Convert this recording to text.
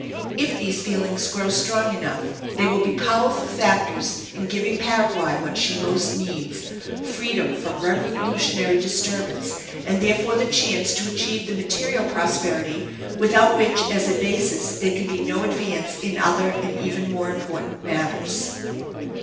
If these feelings grow strong enough they will be powerful factors in giving Paraguay what she most needs, freedom from revolutionary disturbance and therefore the chance to achieve the material prosperity without which as a basis there can be no advance in other and even more important matters.